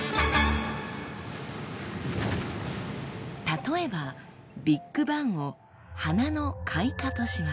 例えばビッグバンを花の開花とします。